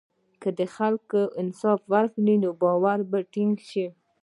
که خلک انصاف وکړي، نو باور به ټینګ شي.